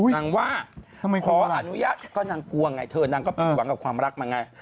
นางว่าขออนุญาตก็นางกลัวไงเธอนางก็ผิดหวังกับความรักมาไง